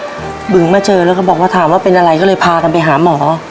บึงมาเจอแล้วก็บอกว่าถามว่าเป็นอะไรก็เลยพากันไปหาหมอ